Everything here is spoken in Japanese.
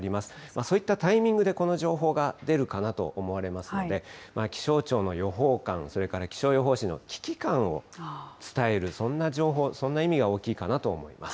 そういったタイミングで、この情報が出るかなと思われますので、気象庁の予報官、それから気象予報士の危機感を伝える、そんな情報、そんな意味が大きいかなと思います。